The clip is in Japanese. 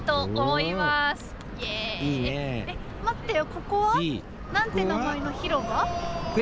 ここは何て名前の広場？